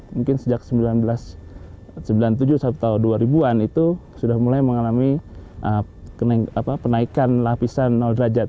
mungkin sejak seribu sembilan ratus sembilan puluh tujuh atau dua ribu an itu sudah mulai mengalami penaikan lapisan derajat